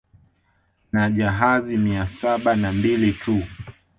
Na jahazi mia saba na mbili tu